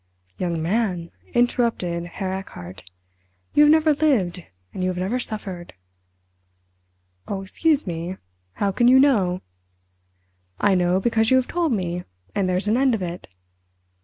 "Young man," interrupted Herr Erchardt, "you have never lived and you have never suffered!" "Oh, excuse me—how can you know?" "I know because you have told me, and there's an end of it.